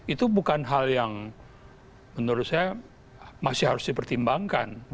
itu bukan hal yang menurut saya masih harus dipertimbangkan